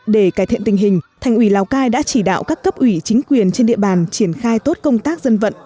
để cải thiện tình hình thành ủy lào cai đã chỉ đạo các cấp ủy chính quyền trên địa bàn triển khai tốt công tác dân vận